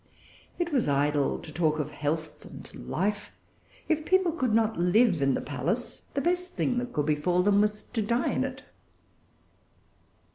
It was idle to talk of health and life. If people could not live in the palace, the best thing that could befall them was to die in it.